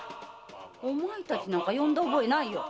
おまえたちなんか呼んだ覚えないよ。